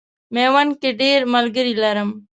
میوند کې ډېر ملګري لرم.